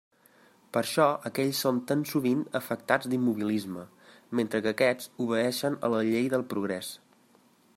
Per això aquells són tan sovint afectats d'immobilisme, mentre que aquests obeeixen a la llei del progrés.